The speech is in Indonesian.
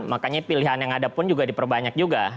makanya pilihan yang ada pun juga diperbanyak juga